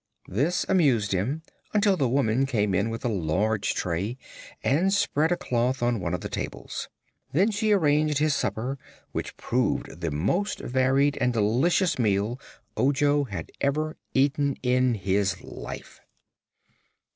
This amused him until the woman came in with a large tray and spread a cloth on one of the tables. Then she arranged his supper, which proved the most varied and delicious meal Ojo had ever eaten in his life.